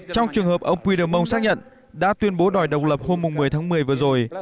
trong trường hợp ông pider mon xác nhận đã tuyên bố đòi độc lập hôm một mươi tháng một mươi vừa rồi